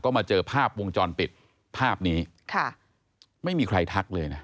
มาเจอภาพวงจรปิดภาพนี้ค่ะไม่มีใครทักเลยนะ